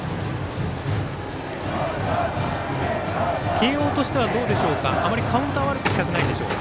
慶応としては、あまりカウントは悪くしたくないでしょうか。